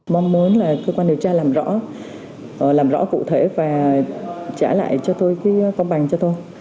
mong muốn là cơ quan điều tra làm rõ làm rõ cụ thể và trả lại cho tôi cái công bằng cho tôi